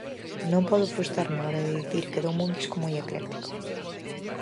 Non podo frustrarme á hora de dicir quedoume un disco moi ecléctico.